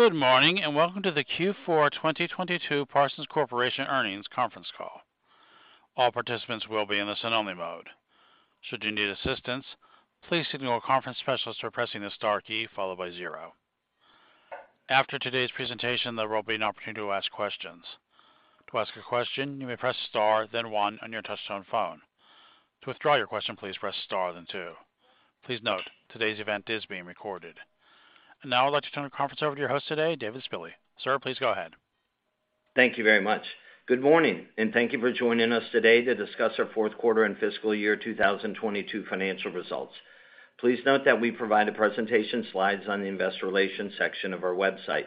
Good morning, and welcome to the Q4 2022 Parsons Corporation Earnings Conference Call. All participants will be in the listen-only mode. Should you need assistance, please signal a conference specialist by pressing the star key followed by zero. After today's presentation, there will be an opportunity to ask questions. To ask a question, you may press star, then one on your touchtone phone. To withdraw your question, please press star, then two. Please note, today's event is being recorded. Now I'd like to turn the conference over to your host today, David Spille. Sir, please go ahead. Thank you very much. Good morning. Thank you for joining us today to discuss our fourth quarter and fiscal year 2022 financial results. Please note that we provide the presentation slides on the Investor Relations section of our website.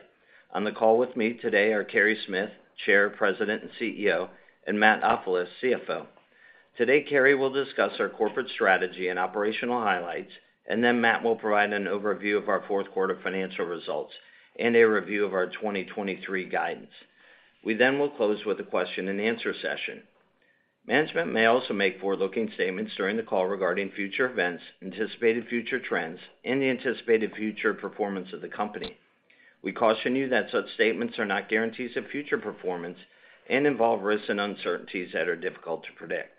On the call with me today are Carey Smith, Chair, President, and CEO, and Matt Ofilos, CFO. Today, Carey will discuss our corporate strategy and operational highlights, and then Matt will provide an overview of our fourth quarter financial results and a review of our 2023 guidance. We will close with a question and answer session. Management may also make forward-looking statements during the call regarding future events, anticipated future trends, and the anticipated future performance of the company. We caution you that such statements are not guarantees of future performance and involve risks and uncertainties that are difficult to predict.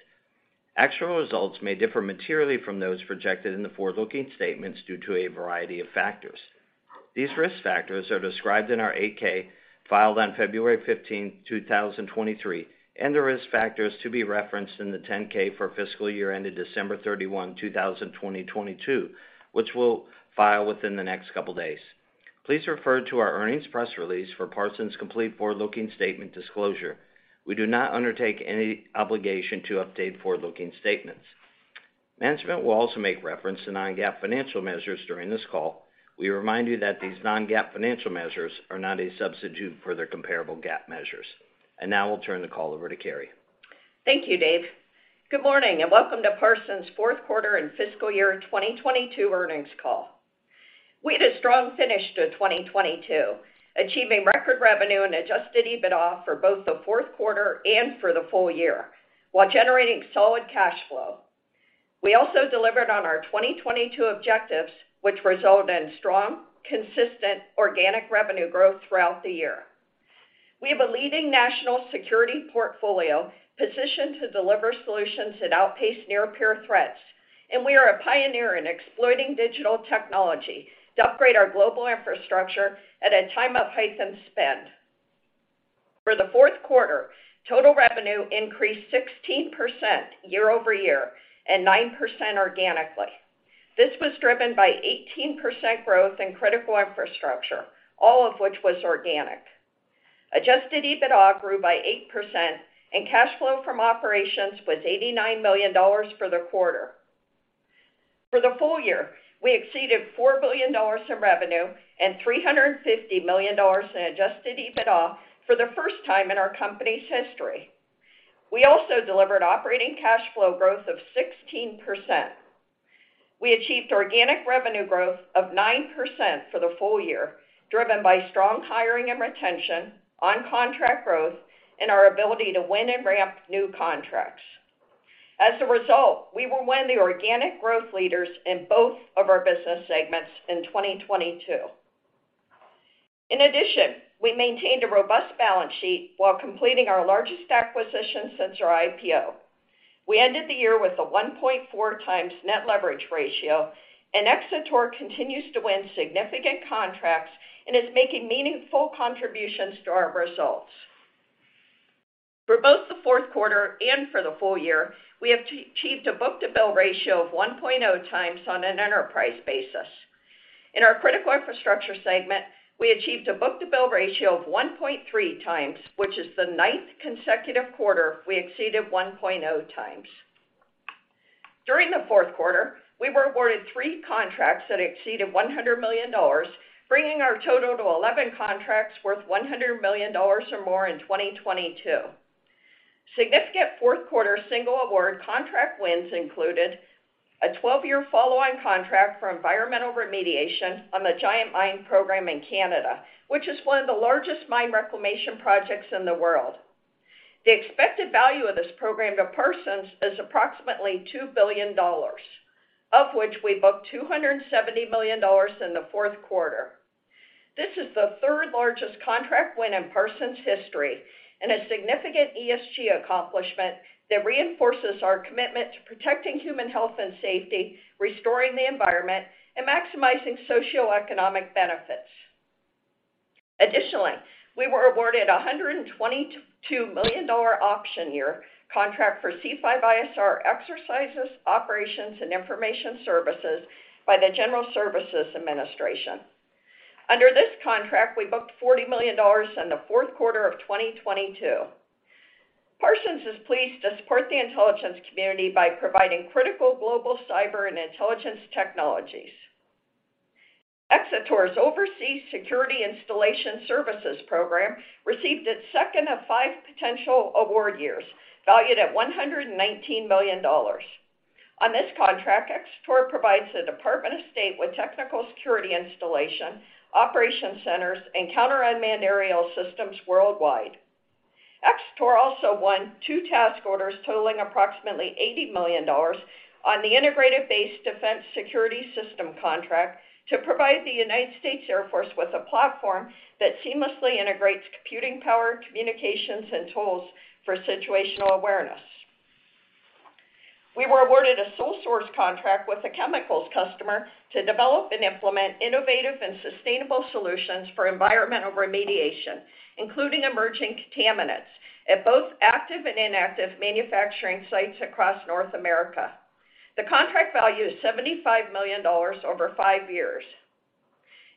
Actual results may differ materially from those projected in the forward-looking statements due to a variety of factors. These risk factors are described in our 8-K filed on February 15, 2023, and the risk factors to be referenced in the 10-K for fiscal year ended December 31, 2022, which we'll file within the next couple of days. Please refer to our earnings press release for Parsons' complete forward-looking statement disclosure. We do not undertake any obligation to update forward-looking statements. Management will also make reference to non-GAAP financial measures during this call. We remind you that these non-GAAP financial measures are not a substitute for their comparable GAAP measures. Now I'll turn the call over to Carey. Thank you, Dave. Good morning and welcome to Parsons' fourth quarter and fiscal year 2022 earnings call. We had a strong finish to 2022, achieving record revenue and Adjusted EBITDA for both the fourth quarter and for the full year, while generating solid cash flow. We also delivered on our 2022 objectives, which resulted in strong, consistent organic revenue growth throughout the year. We have a leading national security portfolio positioned to deliver solutions that outpace near-peer threats, and we are a pioneer in exploiting digital technology to upgrade our global infrastructure at a time of heightened spend. For the fourth quarter, total revenue increased 16% year-over-year and 9% organically. This was driven by 18% growth in Critical Infrastructure, all of which was organic. Adjusted EBITDA grew by 8% and cash flow from operations was $89 million for the quarter. For the full year, we exceeded $4 billion in revenue and $350 million in Adjusted EBITDA for the first time in our company's history. We also delivered operating cash flow growth of 16%. We achieved organic revenue growth of 9% for the full year, driven by strong hiring and retention, on-contract growth, and our ability to win and ramp new contracts. As a result, we were one of the organic growth leaders in both of our business segments in 2022. In addition, we maintained a robust balance sheet while completing our largest acquisition since our IPO. We ended the year with a 1.4x net leverage ratio, and Xator continues to win significant contracts and is making meaningful contributions to our results. For both the fourth quarter and for the full year, we have achieved a book-to-bill ratio of 1.0x on an enterprise basis. In our Critical Infrastructure segment, we achieved a book-to-bill ratio of 1.3x, which is the ninth consecutive quarter we exceeded 1.0x. During the fourth quarter, we were awarded 3 contracts that exceeded $100 million, bringing our total to 11 contracts worth $100 million or more in 2022. Significant fourth quarter single award contract wins included a 12-year follow-on contract for environmental remediation on the Giant Mine program in Canada, which is one of the largest mine reclamation projects in the world. The expected value of this program to Parsons is approximately $2 billion, of which we booked $270 million in the fourth quarter. This is the third-largest contract win in Parsons' history and a significant ESG accomplishment that reinforces our commitment to protecting human health and safety, restoring the environment, and maximizing socioeconomic benefits. Additionally, we were awarded a $122 million option year contract for C5ISR exercises, operations, and information services by the General Services Administration. Under this contract, we booked $40 million in the fourth quarter of 2022. Parsons is pleased to support the intelligence community by providing critical global cyber and intelligence technologies. Xator's Overseas Security Installation Services program received its second of five potential award years, valued at $119 million. On this contract, Xator provides the Department of State with technical security installation, operation centers, and counter-unmanned aerial systems worldwide. Xator also won two task orders totaling approximately $80 million on the Integrated Base Defense Security System contract to provide the United States Air Force with a platform that seamlessly integrates computing power, communications, and tools for situational awareness. We were awarded a sole source contract with a chemicals customer to develop and implement innovative and sustainable solutions for environmental remediation, including emerging contaminants at both active and inactive manufacturing sites across North America. The contract value is $75 million over five years.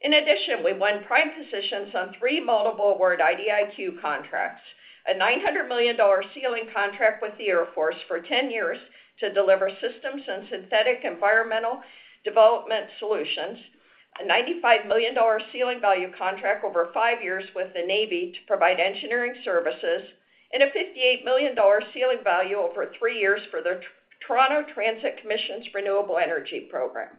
In addition, we won prime positions on three multiple award IDIQ contracts, a $900 million ceiling contract with the Air Force for 10 years to deliver systems and synthetic environmental development solutions, a $95 million ceiling value contract over 5 years with the Navy to provide engineering services, and a $58 million ceiling value over 3 years for the Toronto Transit Commission's renewable energy program.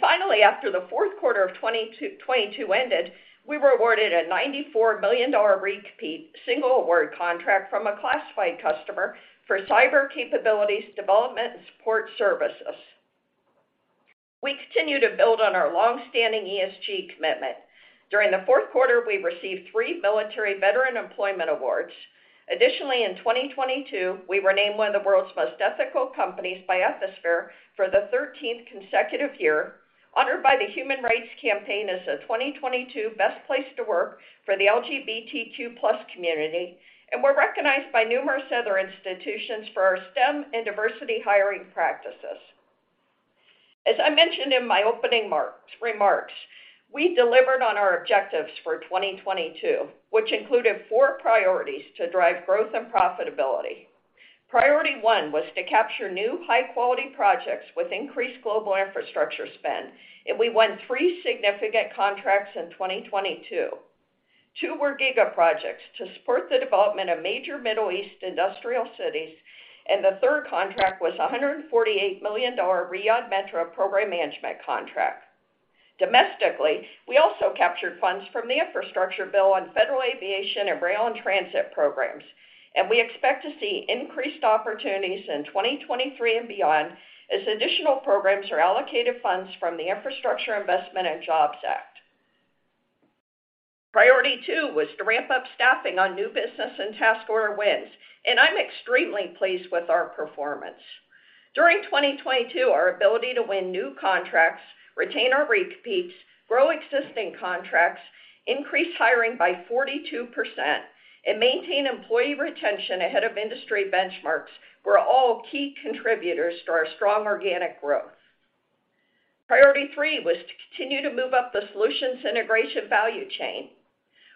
Finally, after the fourth quarter of 2022 ended, we were awarded a $94 million re-compete single award contract from a classified customer for cyber capabilities development and support services. We continue to build on our long-standing ESG commitment. During the fourth quarter, we received three military veteran employment awards. Additionally, in 2022, we were named one of the world's most ethical companies by Ethisphere for the 13th consecutive year, honored by the Human Rights Campaign as the 2022 best place to work for the LGBTQ+ community, and we're recognized by numerous other institutions for our STEM and diversity hiring practices. As I mentioned in my opening remarks, we delivered on our objectives for 2022, which included 4 priorities to drive growth and profitability. Priority one was to capture new high-quality projects with increased global infrastructure spend, and we won 3 significant contracts in 2022. 2 were giga-projects to support the development of major Middle East industrial cities, and the third contract was a $148 million Riyadh Metro program management contract. Domestically, we also captured funds from the infrastructure bill on federal aviation and rail, and transit programs. We expect to see increased opportunities in 2023 and beyond as additional programs are allocated funds from the Infrastructure Investment and Jobs Act. Priority two was to ramp up staffing on new business and task order wins. I'm extremely pleased with our performance. During 2022, our ability to win new contracts, retain our re-competes, grow existing contracts, increase hiring by 42%, and maintain employee retention ahead of industry benchmarks were all key contributors to our strong organic growth. Priority three was to continue to move up the solutions integration value chain.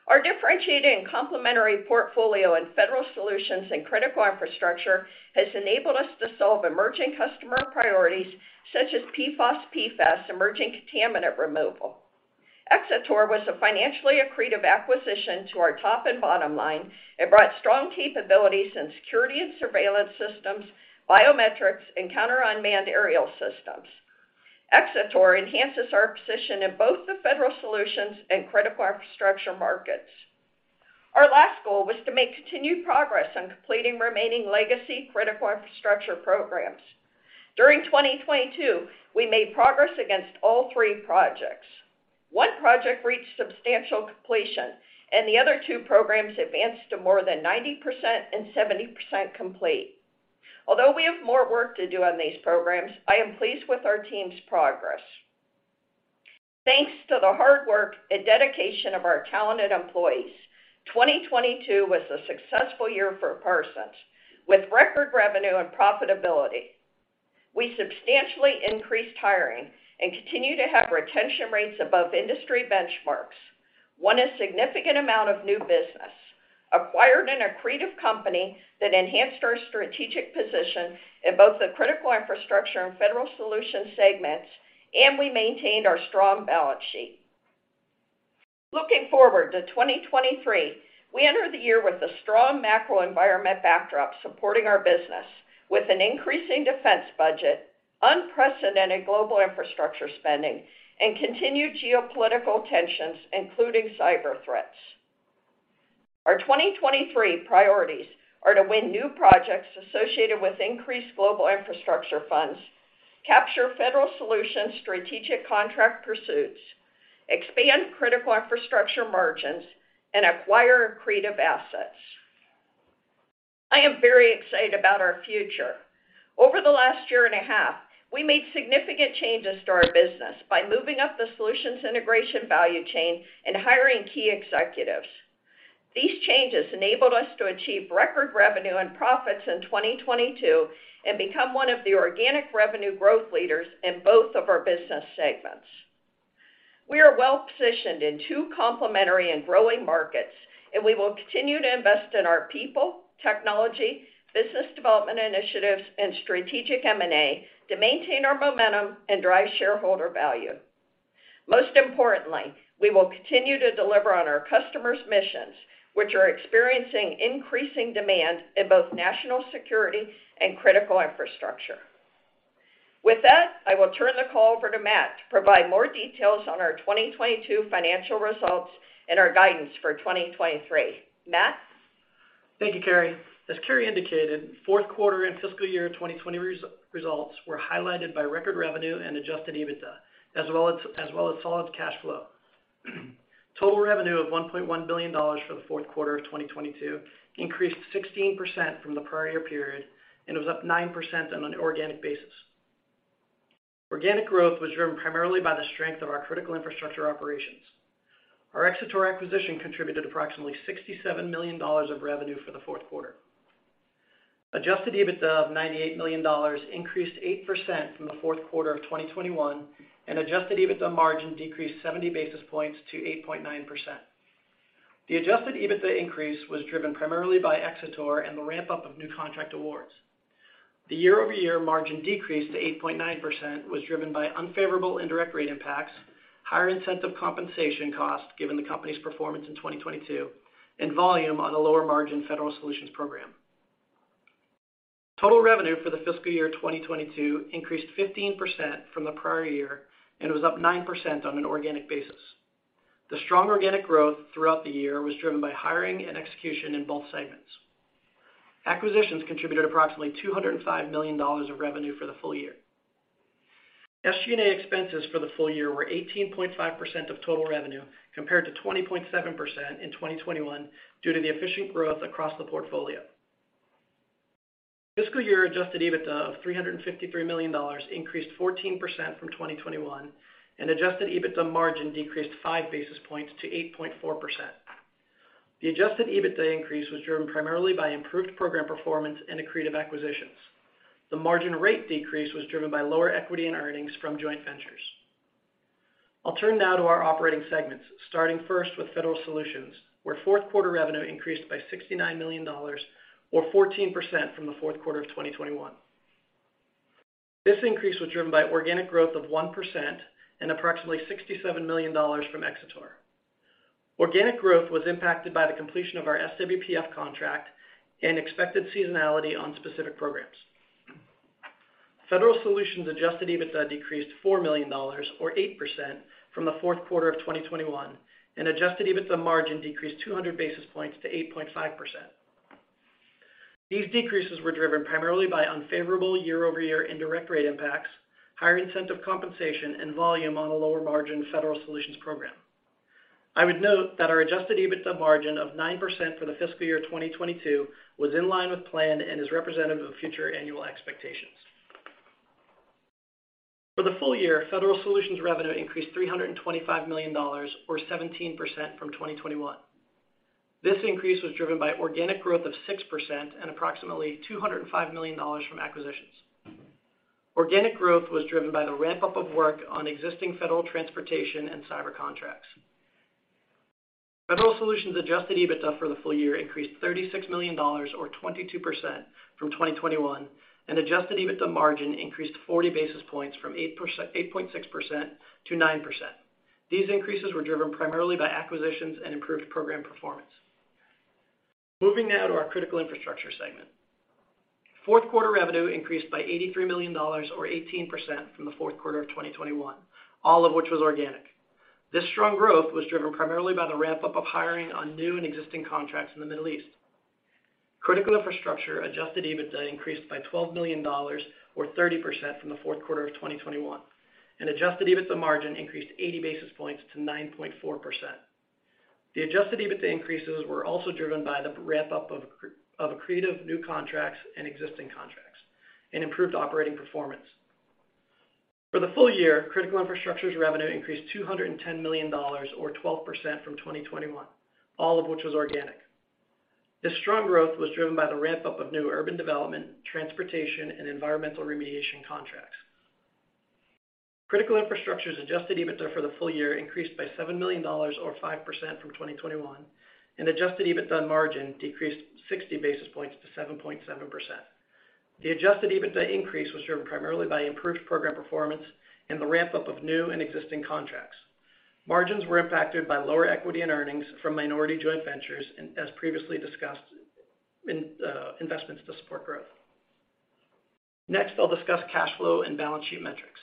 Our differentiated and complementary portfolio in Federal Solutions and Critical Infrastructure has enabled us to solve emerging customer priorities such as PFOS, PFAS, emerging contaminant removal. Xator was a financially accretive acquisition to our top and bottom line and brought strong capabilities in security and surveillance systems, biometrics, and counter-unmanned aerial systems. Xator enhances our position in both the Federal Solutions and Critical Infrastructure markets. Our last goal was to make continued progress on completing remaining legacy Critical Infrastructure programs. During 2022, we made progress against all 3 projects. 1 project reached substantial completion, and the other 2 programs advanced to more than 90% and 70% complete. Although we have more work to do on these programs, I am pleased with our team's progress. Thanks to the hard work and dedication of our talented employees, 2022 was a successful year for Parsons with record revenue and profitability. We substantially increased hiring and continue to have retention rates above industry benchmarks. Won a significant amount of new business, acquired an accretive company that enhanced our strategic position in both the Critical Infrastructure and Federal Solutions segments, and we maintained our strong balance sheet. Looking forward to 2023, we enter the year with a strong macro environment backdrop supporting our business with an increasing defense budget, unprecedented global infrastructure spending, and continued geopolitical tensions, including cyber threats. Our 2023 priorities are to win new projects associated with increased global infrastructure funds, capture Federal Solutions strategic contract pursuits, expand Critical Infrastructure margins, and acquire accretive assets. I am very excited about our future. Over the last year and a half, we made significant changes to our business by moving up the solutions integration value chain and hiring key executives. These changes enabled us to achieve record revenue and profits in 2022 and become one of the organic revenue growth leaders in both of our business segments. We are well-positioned in two complementary and growing markets, and we will continue to invest in our people, technology, business development initiatives, and strategic M&A to maintain our momentum and drive shareholder value. Most importantly, we will continue to deliver on our customers' missions, which are experiencing increasing demand in both national security and Critical Infrastructure. With that, I will turn the call over to Matt to provide more details on our 2022 financial results and our guidance for 2023. Matt? Thank you, Carrie. As Carrie indicated, fourth quarter and fiscal year 2020 results were highlighted by record revenue and Adjusted EBITDA, as well as solid cash flow. Total revenue of $1.1 billion for the fourth quarter of 2022 increased 16% from the prior year period, it was up 9% on an organic basis. Organic growth was driven primarily by the strength of our Critical Infrastructure operations. Our Xator acquisition contributed approximately $67 million of revenue for the fourth quarter. Adjusted EBITDA of $98 million increased 8% from the fourth quarter of 2021, Adjusted EBITDA margin decreased 70 basis points to 8.9%. The Adjusted EBITDA increase was driven primarily by Xator and the ramp-up of new contract awards. The year-over-year margin decrease to 8.9% was driven by unfavorable indirect rate impacts, higher incentive compensation costs given the company's performance in 2022, and volume on a lower margin Federal Solutions program. Total revenue for the fiscal year 2022 increased 15% from the prior year and was up 9% on an organic basis. The strong organic growth throughout the year was driven by hiring and execution in both segments. Acquisitions contributed approximately $205 million of revenue for the full year. SG&A expenses for the full year were 18.5% of total revenue compared to 20.7% in 2021 due to the efficient growth across the portfolio. Fiscal year-Adjusted EBITDA of $353 million increased 14% from 2021, and Adjusted EBITDA margin decreased 5 basis points to 8.4%. The Adjusted EBITDA increase was driven primarily by improved program performance and accretive acquisitions. The margin rate decrease was driven by lower equity and earnings from joint ventures. I'll turn now to our operating segments, starting first with Federal Solutions, where fourth quarter revenue increased by $69 million or 14% from the fourth quarter of 2021. This increase was driven by organic growth of 1% and approximately $67 million from Xator. Organic growth was impacted by the completion of our SWPF contract and expected seasonality on specific programs. Federal Solutions' Adjusted EBITDA decreased $4 million or 8% from the fourth quarter of 2021, and Adjusted EBITDA margin decreased 200 basis points to 8.5%. These decreases were driven primarily by unfavorable year-over-year indirect rate impacts, higher incentive compensation, and volume on a lower-margin Federal Solutions program. I would note that our Adjusted EBITDA margin of 9% for the fiscal year 2022 was in line with plan and is representative of future annual expectations. For the full year, Federal Solutions revenue increased $325 million or 17% from 2021. This increase was driven by organic growth of 6% and approximately $205 million from acquisitions. Organic growth was driven by the ramp-up of work on existing federal transportation and cyber contracts. Federal Solutions' Adjusted EBITDA for the full year increased $36 million or 22% from 2021, and Adjusted EBITDA margin increased 40 basis points from 8.6% to 9%. These increases were driven primarily by acquisitions and improved program performance. Moving now to our Critical Infrastructure segment. Fourth quarter revenue increased by $83 million or 18% from the fourth quarter of 2021, all of which was organic. This strong growth was driven primarily by the ramp-up of hiring on new and existing contracts in the Middle East. Critical Infrastructure Adjusted EBITDA increased by $12 million or 30% from the fourth quarter of 2021, and Adjusted EBITDA margin increased 80 basis points to 9.4%. The Adjusted EBITDA increases were also driven by the ramp-up of accretive new contracts and existing contracts and improved operating performance. For the full year, Critical Infrastructure's revenue increased $210 million or 12% from 2021, all of which was organic. This strong growth was driven by the ramp-up of new urban development, transportation, and environmental remediation contracts. Critical Infrastructure's Adjusted EBITDA for the full year increased by $7 million or 5% from 2021, and Adjusted EBITDA margin decreased 60 basis points to 7.7%. The Adjusted EBITDA increase was driven primarily by improved program performance and the ramp-up of new and existing contracts. Margins were impacted by lower equity and earnings from minority joint ventures and as previously discussed in investments to support growth. Next, I'll discuss cash flow and balance sheet metrics.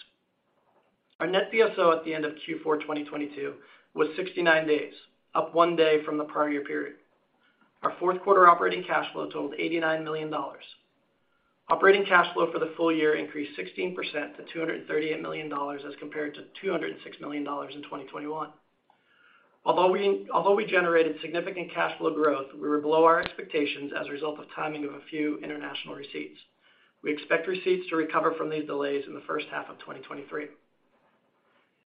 Our net DSO at the end of Q4 2022 was 69 days, up 1 day from the prior year period. Our fourth quarter operating cash flow totaled $89 million. Operating cash flow for the full year increased 16% to $238 million as compared to $206 million in 2021. Although we generated significant cash flow growth, we were below our expectations as a result of timing of a few international receipts. We expect receipts to recover from these delays in the first half of 2023.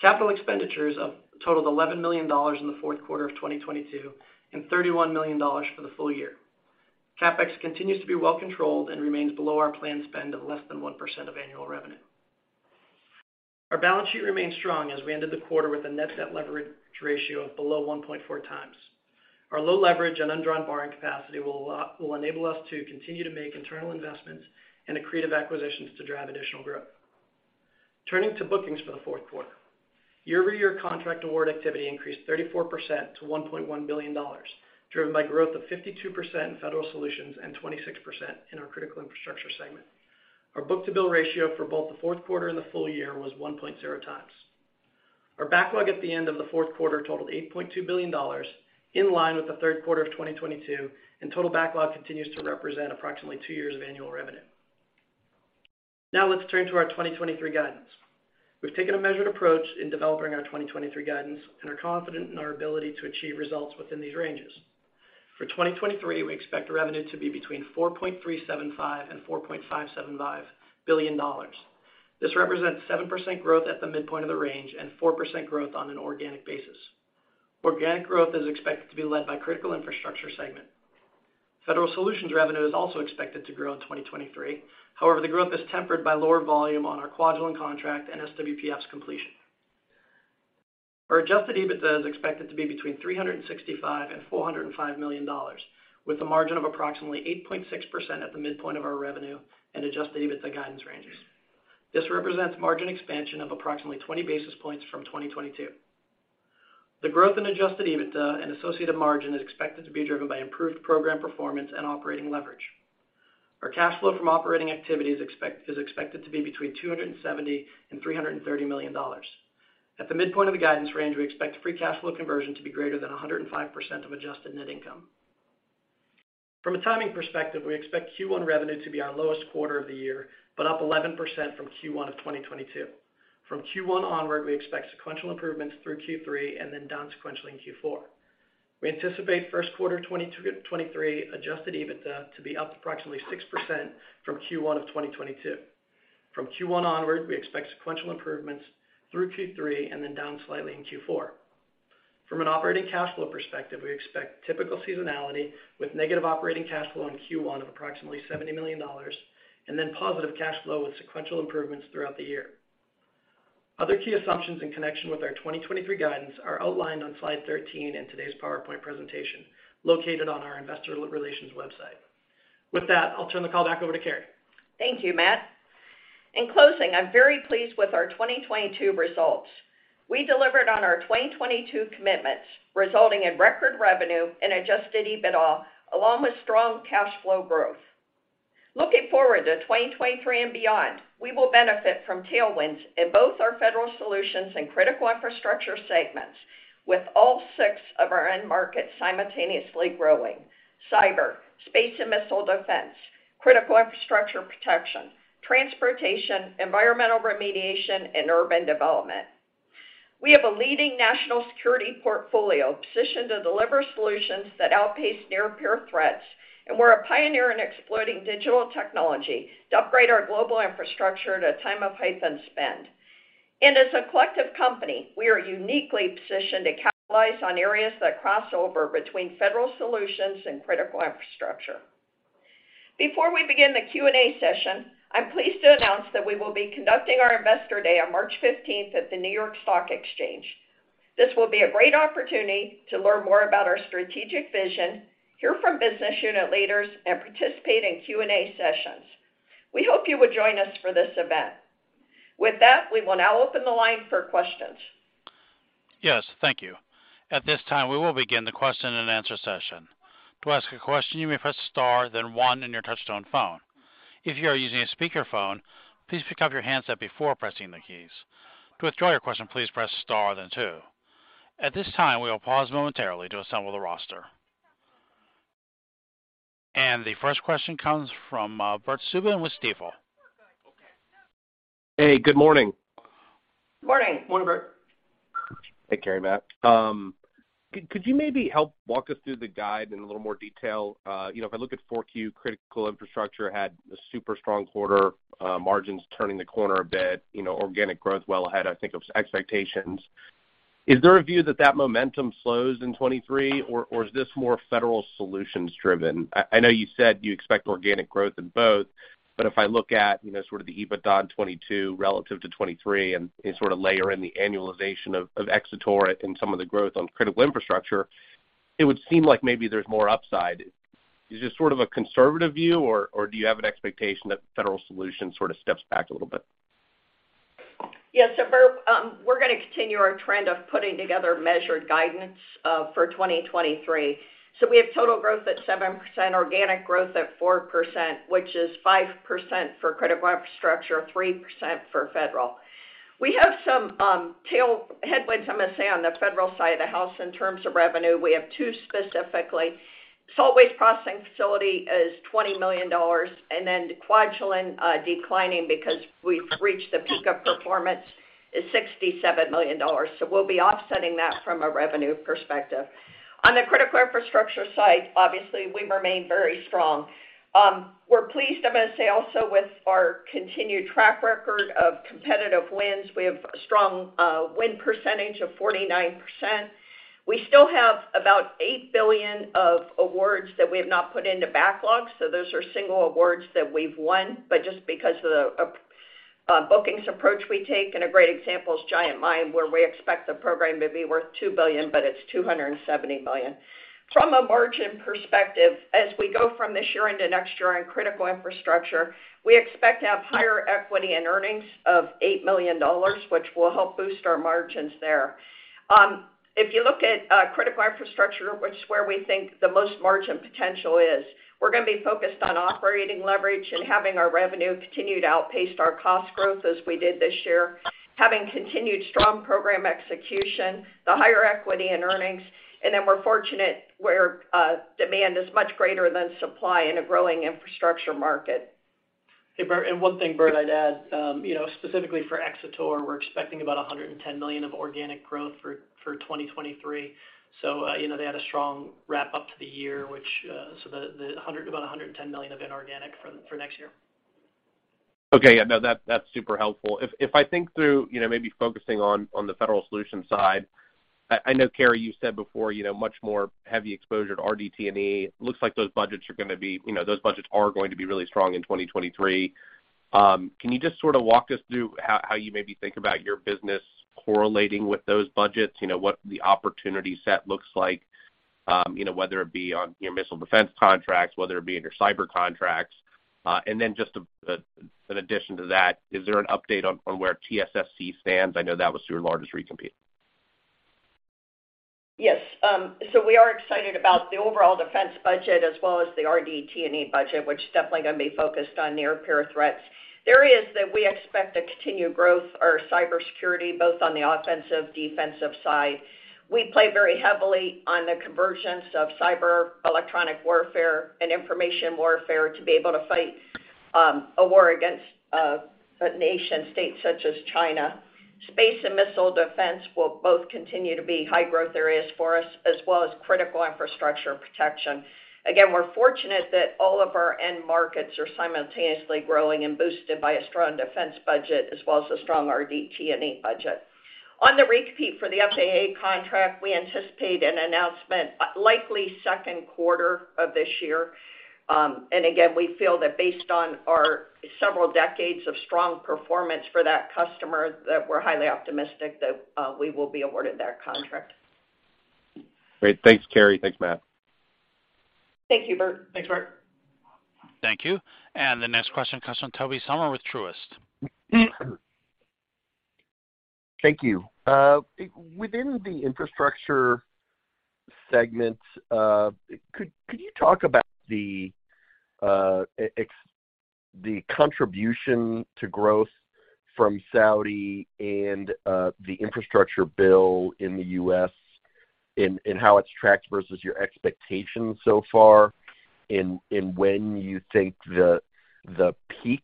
Capital expenditures totaled $11 million in the fourth quarter of 2022 and $31 million for the full year. CapEx continues to be well controlled and remains below our planned spend of less than 1% of annual revenue. Our balance sheet remains strong as we ended the quarter with a net debt leverage ratio of below 1.4x. Our low leverage and undrawn borrowing capacity will enable us to continue to make internal investments and accretive acquisitions to drive additional growth. Turning to bookings for the fourth quarter. Year-over-year contract award activity increased 34% to $1.1 billion, driven by growth of 52% in Federal Solutions and 26% in our Critical Infrastructure segment. Our book-to-bill ratio for both the fourth quarter and the full year was 1.0x. Our backlog at the end of the fourth quarter totaled $8.2 billion, in line with the third quarter of 2022, and total backlog continues to represent approximately two years of annual revenue. Now let's turn to our 2023 guidance. We've taken a measured approach in developing our 2023 guidance and are confident in our ability to achieve results within these ranges. For 2023, we expect revenue to be between $4.375 billion and $4.575 billion. This represents 7% growth at the midpoint of the range and 4% growth on an organic basis. Organic growth is expected to be led by Critical Infrastructure segment. Federal Solutions revenue is also expected to grow in 2023. However, the growth is tempered by lower volume on our Quadrant contract and SWPF's completion. Our Adjusted EBITDA is expected to be between $365 million and $405 million, with a margin of approximately 8.6% at the midpoint of our revenue and Adjusted EBITDA guidance ranges. This represents margin expansion of approximately 20 basis points from 2022. The growth in Adjusted EBITDA and associated margin is expected to be driven by improved program performance and operating leverage. Our cash flow from operating activities is expected to be between $270 million-$330 million. At the midpoint of the guidance range, we expect free cash flow conversion to be greater than 105% of adjusted net income. From a timing perspective, we expect Q1 revenue to be our lowest quarter of the year, but up 11% from Q1 of 2022. From Q1 onward, we expect sequential improvements through Q3 and then down sequentially in Q4. We anticipate first quarter 2023 Adjusted EBITDA to be up approximately 6% from Q1 of 2022. From Q1 onward, we expect sequential improvements through Q3 and then down slightly in Q4. From an operating cash flow perspective, we expect typical seasonality with negative operating cash flow in Q1 of approximately $70 million and then positive cash flow with sequential improvements throughout the year. Other key assumptions in connection with our 2023 guidance are outlined on slide 13 in today's PowerPoint presentation, located on our investor relations website. With that, I'll turn the call back over to Carrie. Thank you, Matt. In closing, I'm very pleased with our 2022 results. We delivered on our 2022 commitments, resulting in record revenue and Adjusted EBITDA, along with strong cash flow growth. Looking forward to 2023 and beyond, we will benefit from tailwinds in both our Federal Solutions and Critical Infrastructure segments, with all 6 of our end markets simultaneously growing: cyber, space and missile defense, critical infrastructure protection, transportation, environmental remediation, and urban development. We have a leading national security portfolio positioned to deliver solutions that outpace near-peer threats, and we're a pioneer in exploiting digital technology to upgrade our global infrastructure at a time of heightened spend. As a collective company, we are uniquely positioned to capitalize on areas that cross over between Federal Solutions and Critical Infrastructure. Before we begin the Q&A session, I'm pleased to announce that we will be conducting our Investor Day on March 15th at the New York Stock Exchange. This will be a great opportunity to learn more about our strategic vision, hear from business unit leaders, and participate in Q&A sessions. We hope you would join us for this event. With that, we will now open the line for questions. Yes, thank you. At this time, we will begin the question-and-answer session. To ask a question, you may press star then one in your touchtone phone. If you are using a speakerphone, please pick up your handset before pressing the keys. To withdraw your question, please press star then two. At this time, we will pause momentarily to assemble the roster. The first question comes from Bert Subin with Stifel. Hey, good morning. Morning. Morning, Bert. Hey, Carrie, Matt. Could you maybe help walk us through the guide in a little more detail? You know, if I look at 4Q, Critical Infrastructure had a super strong quarter, margins turning the corner a bit, you know, organic growth well ahead, I think, of expectations. Is there a view that that momentum slows in 2023 or is this more Federal Solutions driven? I know you said you expect organic growth in both, but if I look at, you know, sort of the EBITDA in 2022 relative to 2023 and you sort of layer in the annualization of Xator and some of the growth on Critical Infrastructure, it would seem like maybe there's more upside. Is this sort of a conservative view or do you have an expectation that Federal Solutions sort of steps back a little bit? Bert, we're gonna continue our trend of putting together measured guidance for 2023. We have total growth at 7%, organic growth at 4%, which is 5% for Critical Infrastructure, 3% for Federal. We have some tail headwinds, I'm gonna say, on the Federal side of the house in terms of revenue. We have two specifically. Salt Waste Processing Facility is $20 million, and then the Quadrant, declining because we've reached the peak of performance, is $67 million. We'll be offsetting that from a revenue perspective. On the Critical Infrastructure side, obviously, we remain very strong. We're pleased, I'm gonna say also, with our continued track record of competitive wins. We have a strong win % of 49%. We still have about $8 billion of awards that we have not put into backlog, so those are single awards that we've won, but just because of the bookings approach we take, and a great example is Giant Mine, where we expect the program to be worth $2 billion, but it's $270 million. From a margin perspective, as we go from this year into next year in Critical Infrastructure, we expect to have higher equity and earnings of $8 million, which will help boost our margins there. If you look at Critical Infrastructure, which is where we think the most margin potential is, we're gonna be focused on operating leverage and having our revenue continue to outpace our cost growth as we did this year. Having continued strong program execution, the higher equity and earnings, and then we're fortunate where demand is much greater than supply in a growing infrastructure market. Hey, Bert. One thing, Bert, I'd add, you know, specifically for Xator, we're expecting about $110 million of organic growth for 2023. You know, they had a strong wrap-up to the year, which, so about $110 million of it organic for next year. Okay. Yeah, no, that's super helpful. If I think through, you know, maybe focusing on the Federal Solutions side, I know, Carey, you said before, you know, much more heavy exposure to RDT&E. Looks like those budgets are going to be really strong in 2023. Can you just sort of walk us through how you maybe think about your business correlating with those budgets? You know, what the opportunity set looks like, you know, whether it be on your Missile Defense contracts, whether it be in your cyber contracts. Then just an addition to that, is there an update on where TSSC stands? I know that was your largest re-compete. So we are excited about the overall defense budget as well as the RDT&E budget, which is definitely gonna be focused on near-peer threats. The areas that we expect to continue growth are cybersecurity, both on the offensive, defensive side. We play very heavily on the convergence of cyber, electronic warfare, and information warfare to be able to fight a war against a nation state such as China. Space and missile defense will both continue to be high growth areas for us, as well as Critical Infrastructure protection. Again, we're fortunate that all of our end markets are simultaneously growing and boosted by a strong defense budget as well as a strong RDT&E budget. On the recompete for the FAA contract, we anticipate an announcement, likely second quarter of this year. Again, we feel that based on our several decades of strong performance for that customer, that we're highly optimistic that we will be awarded that contract. Great. Thanks, Carey. Thanks, Matt. Thank you, Bert. Thanks, Bert. Thank you. The next question comes from Tobey Sommer with Truist. Thank you. Within the infrastructure segment, could you talk about the contribution to growth from Saudi and the infrastructure bill in the U.S. and how it's tracked versus your expectations so far, and when you think the peak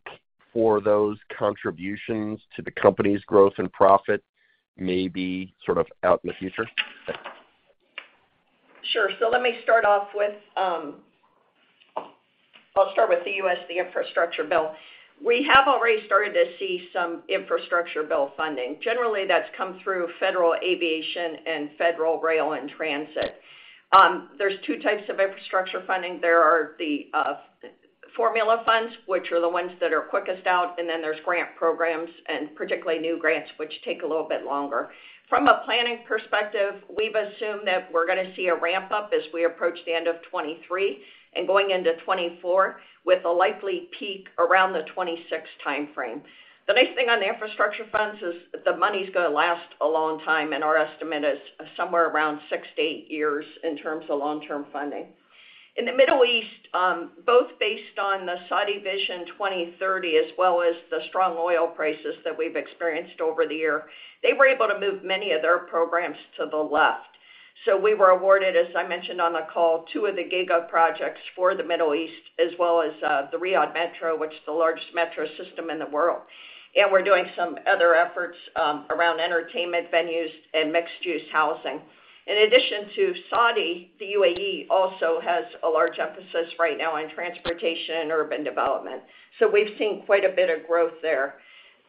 for those contributions to the company's growth and profit may be sort of out in the future? Sure. Let me start off with the U.S., the Infrastructure Bill. We have already started to see some Infrastructure Bill funding. Generally, that's come through federal aviation and federal rail and transit. There's two types of infrastructure funding. There are the formula funds, which are the ones that are quickest out, and then there's grant programs, and particularly new grants, which take a little bit longer. From a planning perspective, we've assumed that we're going to see a ramp-up as we approach the end of 2023 and going into 2024, with a likely peak around the 2026 timeframe. The nice thing on the infrastructure funds is the money's going to last a long time, and our estimate is somewhere around six to eight years in terms of long-term funding. In the Middle East, both based on the Saudi Vision 2030, as well as the strong oil prices that we've experienced over the year, they were able to move many of their programs to the left. We were awarded, as I mentioned on the call, two of the giga-projects for the Middle East, as well as the Riyadh Metro, which is the largest metro system in the world. We're doing some other efforts around entertainment venues and mixed-use housing. In addition to Saudi, the UAE also has a large emphasis right now on transportation and urban development. We've seen quite a bit of growth there.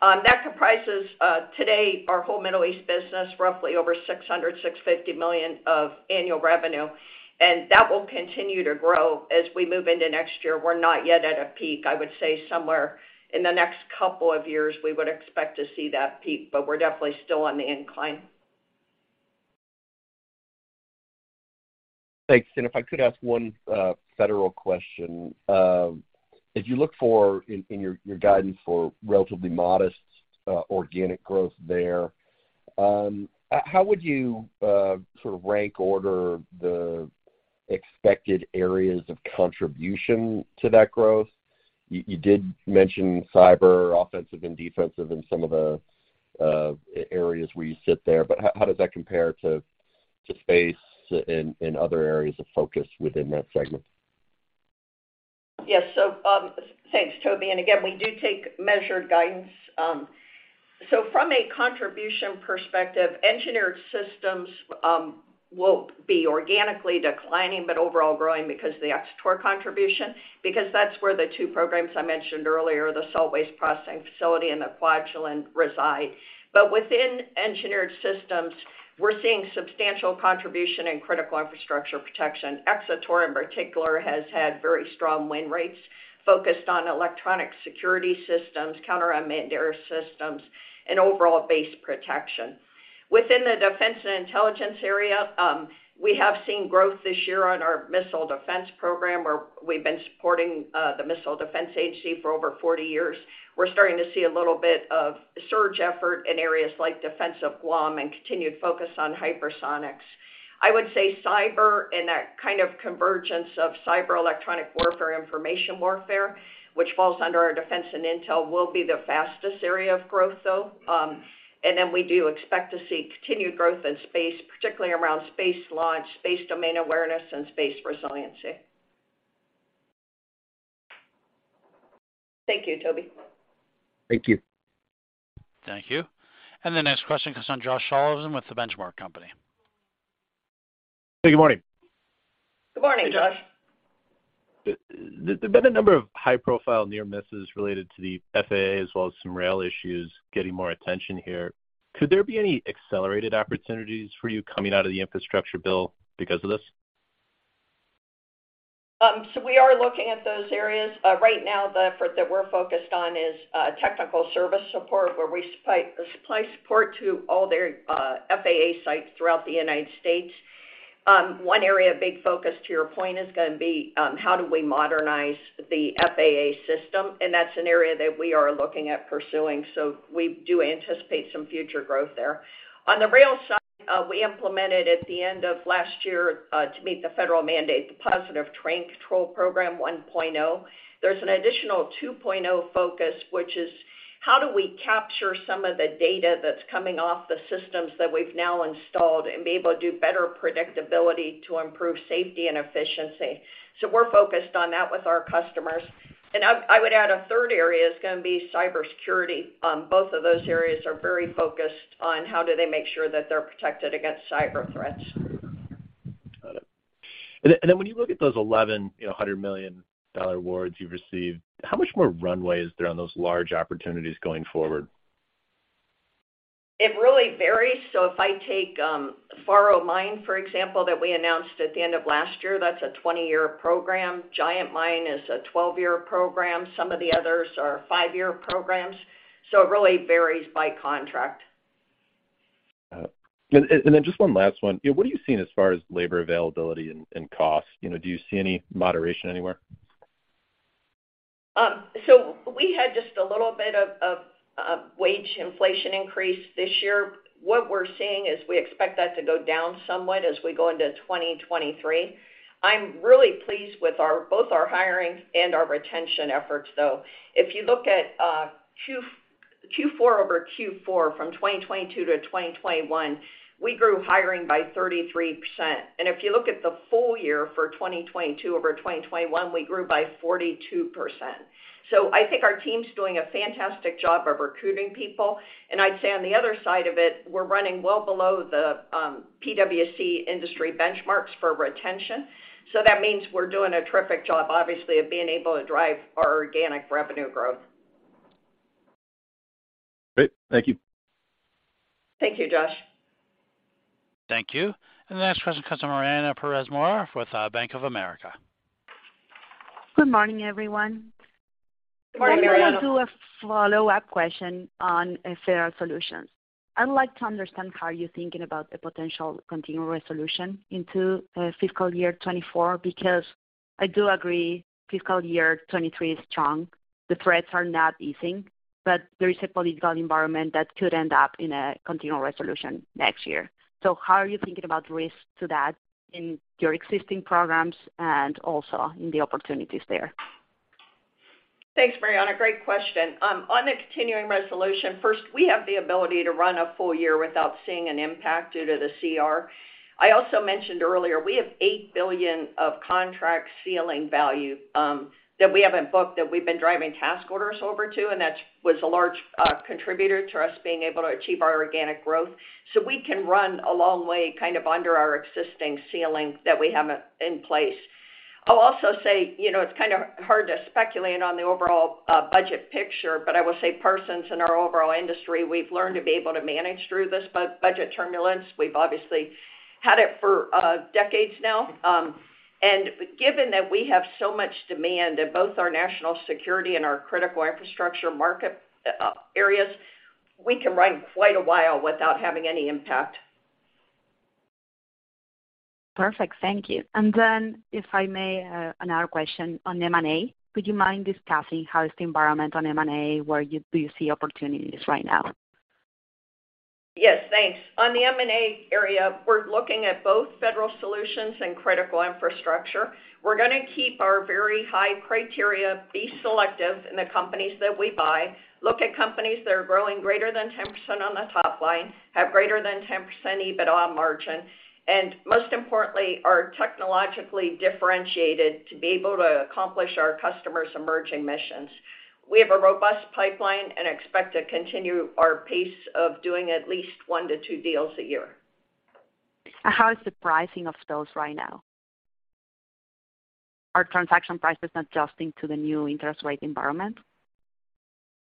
That comprises today our whole Middle East business, roughly over $600 million-$650 million of annual revenue, and that will continue to grow as we move into next year. We're not yet at a peak. I would say somewhere in the next couple of years, we would expect to see that peak, but we're definitely still on the incline. Thanks. If I could ask one federal question. As you look for in your guidance for relatively modest organic growth there, how would you sort of rank order the expected areas of contribution to that growth? You, you did mention cyber, offensive and defensive in some of the areas where you sit there, but how does that compare to space and other areas of focus within that segment? Thanks, Tobey. Again, we do take measured guidance. From a contribution perspective, engineered systems will be organically declining, but overall growing because of the Xator contribution, because that's where the two programs I mentioned earlier, the Salt Waste Processing Facility and the Quadrant reside. Within engineered systems, we're seeing substantial contribution in Critical Infrastructure protection. Xator, in particular, has had very strong win rates focused on electronic security systems, counter-unmanned aerial systems, and overall base protection. Within the defense and intelligence area, we have seen growth this year on our missile defense program, where we've been supporting the Missile Defense Agency for over 40 years. We're starting to see a little bit of surge effort in areas like defense of Guam and continued focus on hypersonics. I would say cyber and that kind of convergence of cyber electronic warfare, information warfare, which falls under our defense and intel, will be the fastest area of growth, though. We do expect to see continued growth in space, particularly around space launch, space domain awareness, and space resiliency. Thank you, Tobey. Thank you. Thank you. The next question comes from Josh Sullivan with The Benchmark Company. Hey, good morning. Good morning, Josh. There's been a number of high-profile near misses related to the FAA as well as some rail issues getting more attention here. Could there be any accelerated opportunities for you coming out of the Infrastructure bill because of this? We are looking at those areas. Right now, the effort that we're focused on is technical service support, where we supply support to all their FAA sites throughout the United States. One area of big focus, to your point, is gonna be how do we modernize the FAA system? That's an area that we are looking at pursuing, so we do anticipate some future growth there. On the rail side, we implemented at the end of last year to meet the federal mandate, the Positive Train Control program 1.0. There's an additional 2.0 focus, which is how do we capture some of the data that's coming off the systems that we've now installed and be able to do better predictability to improve safety and efficiency? We're focused on that with our customers. I would add a third area is gonna be cybersecurity. Both of those areas are very focused on how do they make sure that they're protected against cyber threats. Then when you look at those 11, you know, hundred-million-dollar awards you've received, how much more runway is there on those large opportunities going forward? It really varies. If I take Faro Mine, for example, that we announced at the end of last year, that's a 20-year program. Giant Mine is a 12-year program. Some of the others are 5-year programs, so it really varies by contract. Got it. Then just one last one. What are you seeing as far as labor availability and cost? You know, do you see any moderation anywhere? We had just a little bit of wage inflation increase this year. What we're seeing is we expect that to go down somewhat as we go into 2023. I'm really pleased with both our hiring and our retention efforts, though. If you look at Q4 over Q4 from 2022 to 2021, we grew hiring by 33%. If you look at the full year for 2022 over 2021, we grew by 42%. I think our team's doing a fantastic job of recruiting people. I'd say on the other side of it, we're running well below the PwC industry benchmarks for retention. That means we're doing a terrific job, obviously, of being able to drive our organic revenue growth. Great. Thank you. Thank you, Josh. Thank you. The next question comes from Mariana Perez Mora with Bank of America. Good morning, everyone. Good morning, Mariana. Let me do a follow-up question on Federal Solutions. I'd like to understand how you're thinking about the potential continuing resolution into fiscal year 2024, because I do agree fiscal year 2023 is strong. The threats are not easing, but there is a political environment that could end up in a continuing resolution next year. How are you thinking about risks to that in your existing programs and also in the opportunities there? Thanks, Mariana. Great question. On the continuing resolution, first, we have the ability to run a full year without seeing an impact due to the CR. I also mentioned earlier we have $8 billion of contract ceiling value that we haven't booked that we've been driving task orders over to, and that was a large contributor to us being able to achieve our organic growth. We can run a long way kind of under our existing ceiling that we have in place. I'll also say, you know, it's kind of hard to speculate on the overall budget picture, but I will say Parsons and our overall industry, we've learned to be able to manage through this budget turbulence. We've obviously had it for decades now. Given that we have so much demand in both our national security and our Critical Infrastructure market, areas, we can run quite a while without having any impact. Perfect. Thank you. If I may, another question on M&A. Would you mind discussing how is the environment on M&A? Where do you see opportunities right now? Yes, thanks. On the M&A area, we're looking at both Federal Solutions and Critical Infrastructure. We're going to keep our very high criteria, be selective in the companies that we buy, look at companies that are growing greater than 10% on the top line, have greater than 10% EBITDA margin, and most importantly, are technologically differentiated to be able to accomplish our customers' emerging missions. We have a robust pipeline and expect to continue our pace of doing at least 1-2 deals a year. How is the pricing of those right now? Are transaction prices adjusting to the new interest rate environment?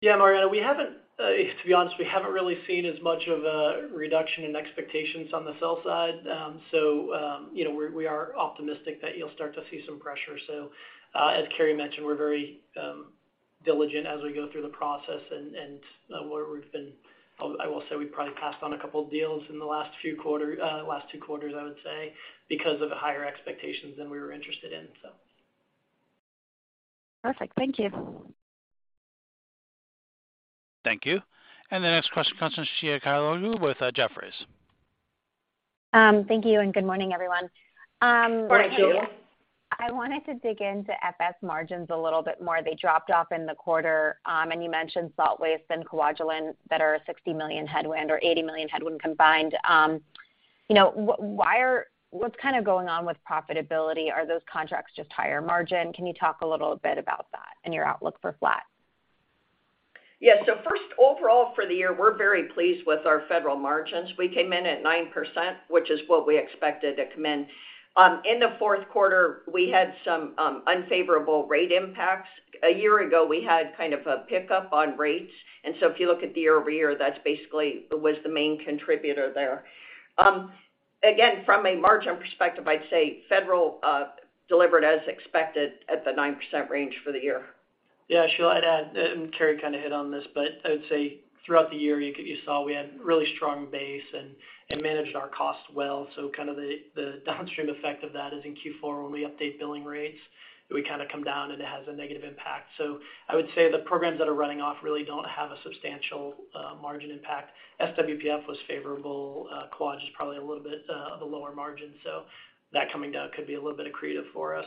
Yeah, Mariana, we haven't, to be honest, we haven't really seen as much of a reduction in expectations on the sell side. You know, we are optimistic that you'll start to see some pressure. As Carrie mentioned, we're very. Diligent as we go through the process and where we've been. I will say we probably passed on a couple deals in the last two quarters, I would say, because of the higher expectations than we were interested in. Perfect. Thank you. Thank you. The next question comes from Sheila Kahyaoglu with Jefferies. Thank you, good morning, everyone. Morning. I wanted to dig into FS margins a little bit more. They dropped off in the quarter. You mentioned salt waste and Quadrant that are a $60 million headwind or $80 million headwind combined. You know, what's kinda going on with profitability? Are those contracts just higher margin? Can you talk a little bit about that and your outlook for flat? First, overall for the year, we're very pleased with our Federal margins. We came in at 9%, which is what we expected to come in. In the fourth quarter, we had some unfavorable rate impacts. A year ago, we had kind of a pickup on rates. If you look at the year-over-year, that's basically was the main contributor there. Again, from a margin perspective, I'd say Federal delivered as expected at the 9% range for the year. Yeah. Sheila, I'd add, and Carey kinda hit on this, but I would say throughout the year, you saw we had really strong base and managed our costs well. Kind of the downstream effect of that is in Q4 when we update billing rates, we kinda come down, and it has a negative impact. I would say the programs that are running off really don't have a substantial margin impact. SWPF was favorable. Quadrant is probably a little bit of a lower margin, so that coming down could be a little bit accretive for us.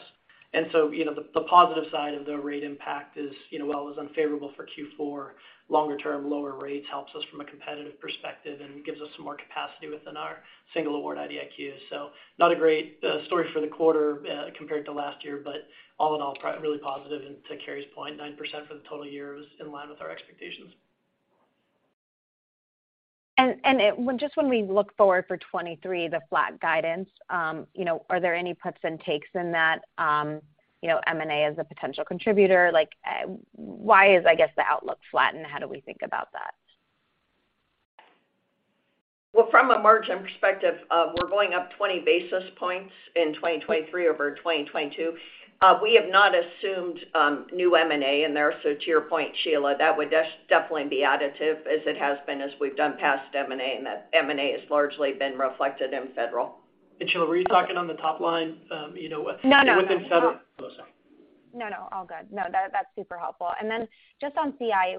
You know, the positive side of the rate impact is, you know, while it was unfavorable for Q4, longer term, lower rates helps us from a competitive perspective and gives us some more capacity within our single award IDIQs. Not a great story for the quarter, compared to last year, but all in all, really positive. To Carey's point, 9% for the total year was in line with our expectations. Just when we look forward for 2023, the flat guidance, you know, are there any puts and takes in that, you know, M&A is a potential contributor, like, why is, I guess, the outlook flat, and how do we think about that? From a margin perspective, we're going up 20 basis points in 2023 over 2022. We have not assumed new M&A in there. To your point, Sheila, that would definitely be additive as it has been as we've done past M&A, and that M&A has largely been reflected in federal. Sheila, were you talking on the top line? You know what? No, no. Within Federal. Oh, sorry. No, no. All good. No. That, that's super helpful. Then just on CI,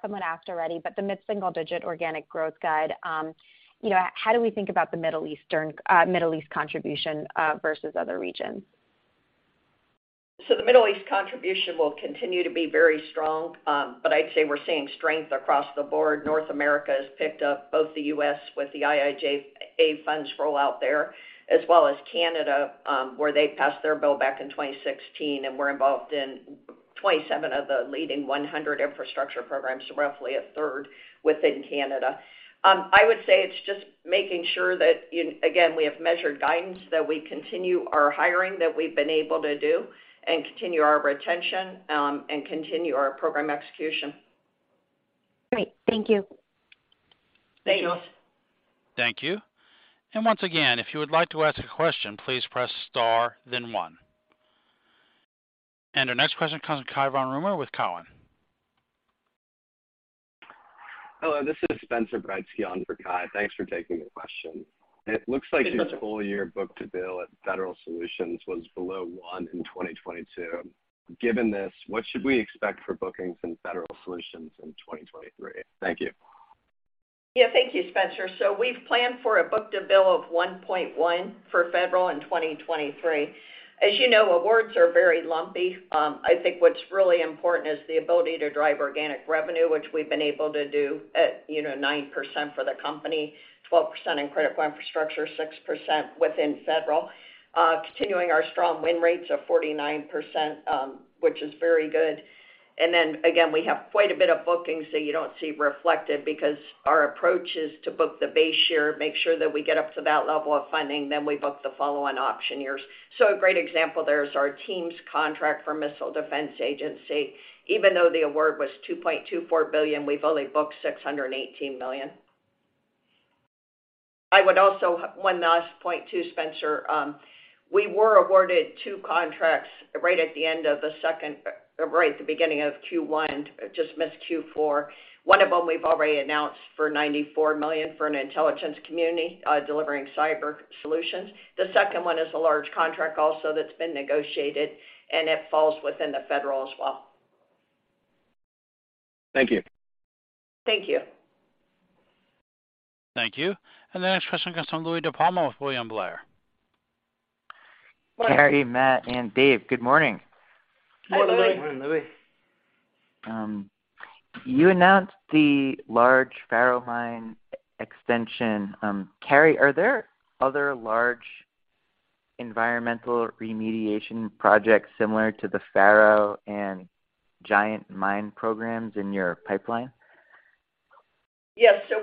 someone asked already, but the mid-single-digit organic growth guide, you know, how do we think about the Middle East contribution versus other regions? The Middle East contribution will continue to be very strong, but I'd say we're seeing strength across the board. North America has picked up both the U.S. with the IIJA funds rollout there, as well as Canada, where they passed their bill back in 2016, and we're involved in 27 of the leading 100 infrastructure programs, so roughly a third within Canada. I would say it's just making sure that, you know, again, we have measured guidance, that we continue our hiring that we've been able to do, and continue our retention, and continue our program execution. Great. Thank you. Thanks. Thanks. Thank you. Once again, if you would like to ask a question, please press star then one. Our next question comes from Cai von Rumohr with Cowen. Hello, this is Spencer Breitzke on for Kai. Thanks for taking the question. Hey, Spencer. Your full year book-to-bill at Federal Solutions was below 1 in 2022. Given this, what should we expect for bookings in Federal Solutions in 2023? Thank you. Yeah. Thank you, Spencer. We've planned for a book-to-bill of 1.1 for Federal in 2023. As you know, awards are very lumpy. I think what's really important is the ability to drive organic revenue, which we've been able to do at, you know, 9% for the company, 12% in Critical Infrastructure, 6% within Federal. Continuing our strong win rates of 49%, which is very good. Again, we have quite a bit of bookings that you don't see reflected because our approach is to book the base year, make sure that we get up to that level of funding, then we book the following option years. A great example there is our teams contract for Missile Defense Agency. Even though the award was $2.24 billion, we've only booked $618 million. I would also, one last point too, Spencer. We were awarded two contracts right at the end of the second, right at the beginning of Q1, just missed Q4. One of them we've already announced for $94 million for an intelligence community, delivering cyber solutions. The second one is a large contract also that's been negotiated, and it falls within the Federal as well. Thank you. Thank you. Thank you. The next question comes from Louie DiPalma with William Blair. Carrie, Matt, and Dave, good morning. Hi, Louie. You announced the large Faro Mine e-extension. Carrie, are there other large environmental remediation projects similar to the Faro and Giant Mine programs in your pipeline? Yes.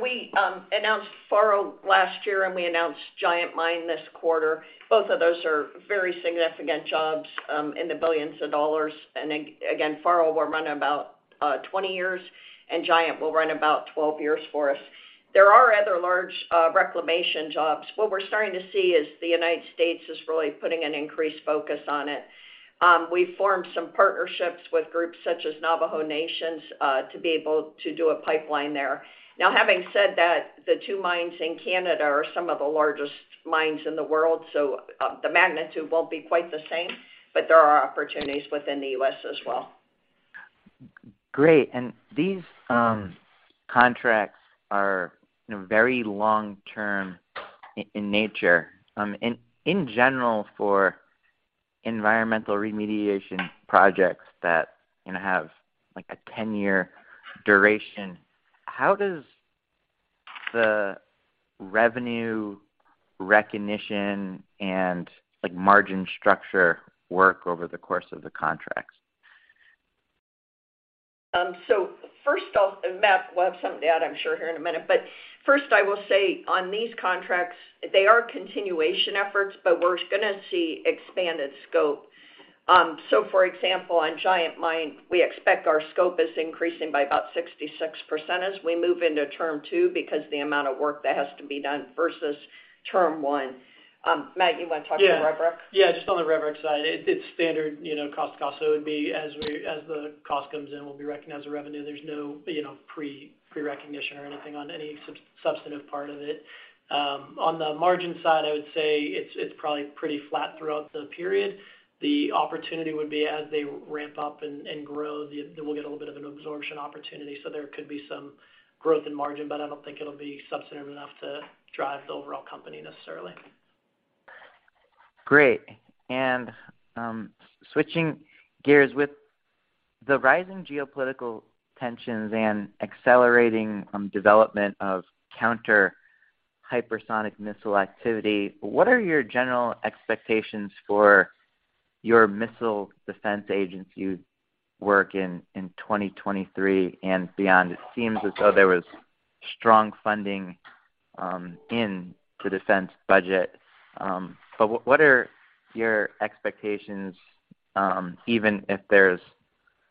We announced Faro last year, and we announced Giant Mine this quarter. Both of those are very significant jobs, in the $billions. Again, Faro will run about 20 years, and Giant will run about 12 years for us. There are other large reclamation jobs. What we're starting to see is the United States is really putting an increased focus on it. We've formed some partnerships with groups such as Navajo Nation to be able to do a pipeline there. Having said that, the two mines in Canada are some of the largest mines in the world, so the magnitude won't be quite the same, but there are opportunities within the US as well. Great. These contracts are, you know, very long-term in nature. In general for environmental remediation projects that, you know, have, like, a 10-year duration, how does the revenue recognition and, like, margin structure work over the course of the contracts? First off, and Matt will have something to add, I'm sure, here in a minute. First, I will say on these contracts, they are continuation efforts, but we're gonna see expanded scope. For example, on Giant Mine, we expect our scope is increasing by about 66% as we move into term two because the amount of work that has to be done versus term one. Matt, you wanna talk to the RevRec? Yeah. Yeah, just on the RevRec side, it's standard, you know, cost. It would be as the cost comes in, we'll be recognizing the revenue. There's no, you know, pre-recognition or anything on any substantive part of it. On the margin side, I would say it's probably pretty flat throughout the period. The opportunity would be as they ramp up and grow, we'll get a little bit of an absorption opportunity, so there could be some growth in margin, but I don't think it'll be substantive enough to drive the overall company necessarily. Great. Switching gears, with the rising geopolitical tensions and accelerating development of counter-hypersonic missile activity, what are your general expectations for your Missile Defense Agency work in 2023 and beyond? It seems as though there was strong funding in the defense budget. What are your expectations, even if there's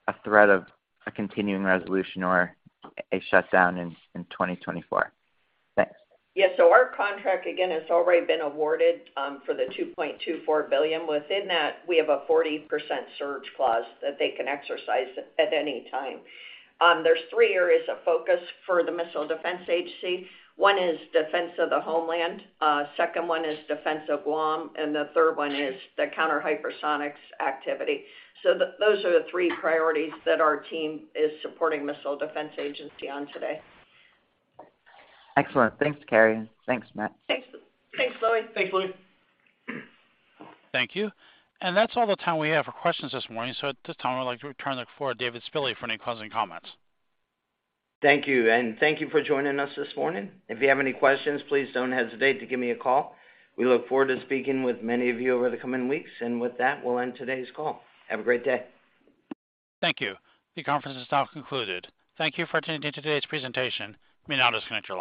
a threat of a continuing resolution or a shutdown in 2024? Thanks. Yeah. Our contract, again, has already been awarded for the $2.24 billion. Within that, we have a 40% surge clause that they can exercise at any time. There's three areas of focus for the Missile Defense Agency. One is defense of the homeland. Second one is defense of Guam, and the third one is the counter-hypersonics activity. Those are the three priorities that our team is supporting Missile Defense Agency on today. Excellent. Thanks, Carrie. Thanks, Matt. Thanks. Thanks, Louis. Thanks, Louis. Thank you. That's all the time we have for questions this morning. At this time I'd like to turn it over to David Spille for any closing comments. Thank you. Thank you for joining us this morning. If you have any questions, please don't hesitate to give me a call. We look forward to speaking with many of you over the coming weeks. With that, we'll end today's call. Have a great day. Thank you. The conference is now concluded. Thank you for attending today's presentation. You may now disconnect your lines.